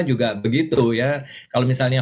juga begitu ya kalau misalnya